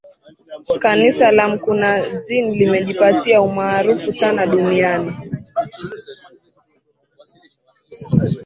Kanisa la mkunazini limejipatia umaarufu sana Duniani